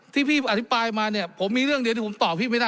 ที่พี่อธิบายมาเนี่ยผมมีเรื่องเดียวที่ผมตอบพี่ไม่ได้